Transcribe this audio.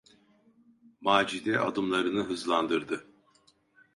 Macide adımlarını hızlandırdı.